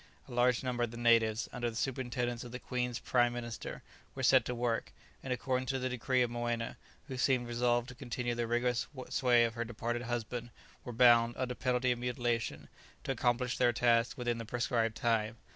A large number of the natives, under the superintendence of the queen's prime minister, were set to work, and according to the decree of Moena, who seemed resolved to continue the rigorous sway of her departed husband, were bound, under penalty of mutilation, to accomplish their task within the proscribed time.